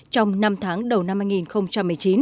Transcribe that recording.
trong năm tháng đầu năm hai nghìn một mươi chín